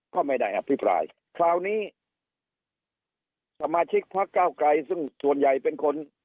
ก็ไม่ได้อภิปรายคราวนี้สมาชิกพักเก้าไกรซึ่งส่วนใหญ่เป็นคน